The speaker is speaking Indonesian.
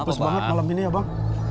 bagus banget malam ini ya bang